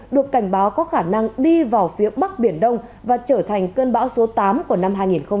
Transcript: được cảnh báo có khả năng đi vào phía bắc biển đông và trở thành cơn bão số tám của năm hai nghìn hai mươi